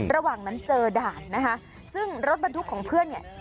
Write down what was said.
ระหว่างนั้นเจอด่านนะคะซึ่งรถบรรทุกของเพื่อนเนี่ย